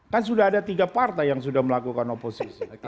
kan sudah ada tiga partai yang sudah melakukan oposisi